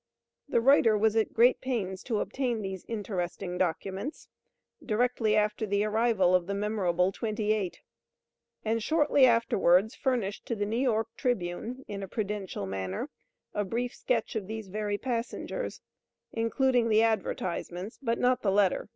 The writer was at great pains to obtain these interesting documents, directly after the arrival of the memorable Twenty Eight; and shortly afterwards furnished to the New York Tribune, in a prudential manner, a brief sketch of these very passengers, including the advertisements, but not the letter.